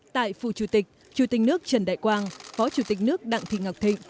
tại phủ chủ tịch chủ tịch nước trần đại quang phó chủ tịch nước đặng thị ngọc thịnh